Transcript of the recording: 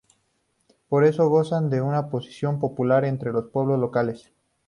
Por eso, gozan de una posición popular entre los pueblos locales.